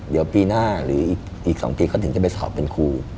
เดี๋ยวปีหน้าหรืออีก๒ปีเขาถึงจะไปสอบเป็นครู